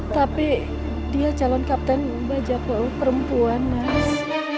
tapi dia calon kapten bajak perempuan mas